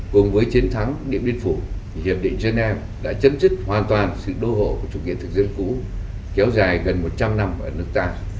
cùng với chiến thắng điện biên phủ hiệp định geneva đã chấm dứt hoàn toàn sự đô hộ của chủ nghĩa thực dân cũ kéo dài gần một trăm linh năm ở nước ta